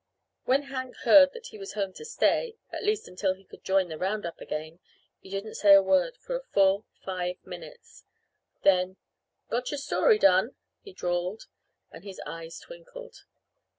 When Hank heard that he was home to stay at least until he could join the roundup again he didn't say a word for full five minutes. Then, "Got your story done?" he drawled, and his eyes twinkled.